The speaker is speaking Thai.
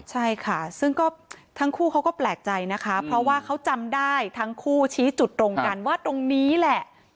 ใช่ค่ะซึ่งก็ทั้งคู่เขาก็แปลกใจนะคะเพราะว่าเขาจำได้ทั้งคู่ชี้จุดตรงกันว่าตรงนี้แหละ